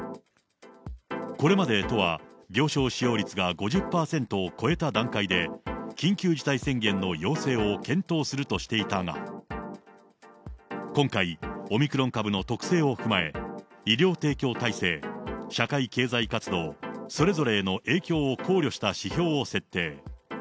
これまで都は、病床使用率が５０％を超えた段階で、緊急事態宣言の要請を検討するとしていたが、今回、オミクロン株の特性を踏まえ、医療提供体制、社会経済活動、それぞれへの影響を考慮した指標を設定。